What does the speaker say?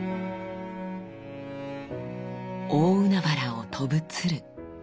大海原を飛ぶ鶴。